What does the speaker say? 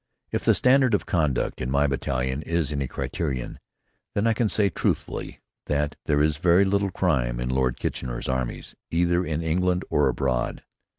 If the standard of conduct in my battalion is any criterion, then I can say truthfully that there is very little crime in Lord Kitchener's armies either in England or abroad.